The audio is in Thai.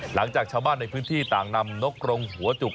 หลังจากชาวบ้านในพื้นที่ต่างนำนกรงหัวจุก